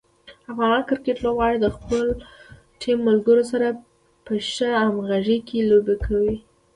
افغان کرکټ لوبغاړي د خپلو ټیم ملګرو سره په ښه همغږي کې لوبې کوي.